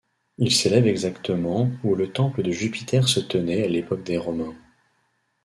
Il s'élève exactement où le temple de Jupiter se tenait à l'époque des Romains.